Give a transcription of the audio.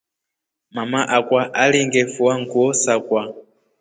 Mama akwa alingefua nguo sakwa.